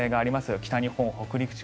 北日本、北陸地方